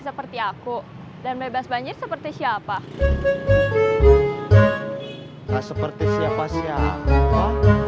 seperti aku dan bebas banjir seperti apa seperti siapa siapa